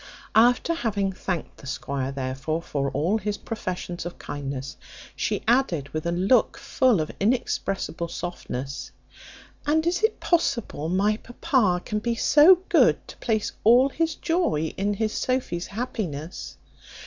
After having thanked the squire, therefore, for all his professions of kindness, she added, with a look full of inexpressible softness, "And is it possible my papa can be so good to place all his joy in his Sophy's happiness?"